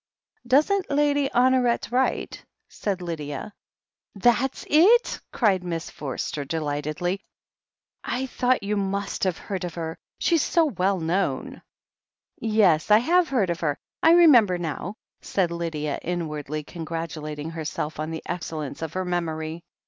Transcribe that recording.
"Doesn't Lady Honoret write?" said Lydia. "That's itl" cried Miss Forster delightedly. "I ii8 THE HEEL OF ACHILLES thought you must have heard of her; she's so well known." "Yes, I have heard of her. I remember now," said Lydia, inwardly congratulating herself on the excel lence of her memory.